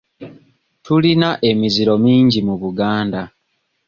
Tulina emiziro mingi mu Buganda.